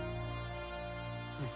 うん。